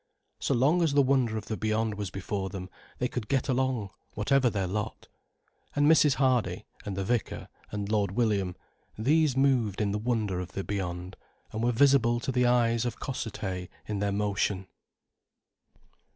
So long as the wonder of the beyond was before them, they could get along, whatever their lot. And Mrs. Hardy, and the vicar, and Lord William, these moved in the wonder of the beyond, and were visible to the eyes of Cossethay in their motion.